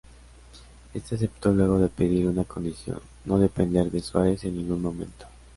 Éste aceptó luego de pedir una condición: no depender de Suárez en ningún momento.